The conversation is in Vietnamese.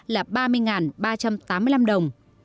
là ba mươi ba trăm tám mươi năm đồng